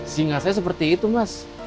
singa saya seperti itu mas